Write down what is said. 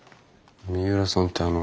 三浦さんってあの。